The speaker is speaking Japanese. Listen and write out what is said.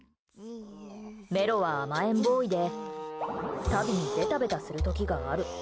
メロは甘えんボーイでタビにベタベタする時がある。